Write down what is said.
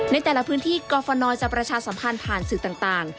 ในแต่ละพื้นที่กรฟนจะประชาสัมพันธ์ผ่านสื่อต่าง